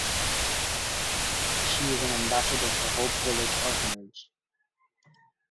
She is an ambassador for Hope Village Orphanage.